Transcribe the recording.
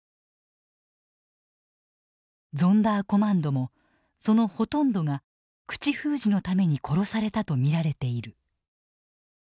ゾンダーコマンドもそのほとんどが口封じのために殺されたと見られている。